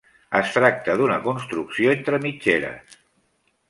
Es tracta d'una construcció entre mitgeres.